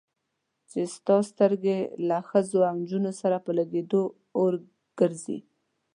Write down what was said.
چې ستا سترګې له ښځو او نجونو سره په لګېدو اور ګرځي.